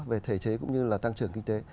về thể chế cũng như là tăng trưởng kinh tế